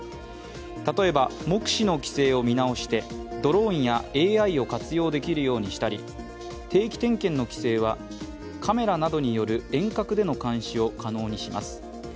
例えば目視の規制を見直してドローンやＡＩを活用できるようにしたり定期点検の規制はカメラなどによる遠隔での監視を可能にします。